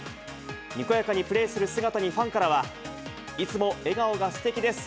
にこやかにプレーする姿にファンからは、いつも笑顔がすてきです。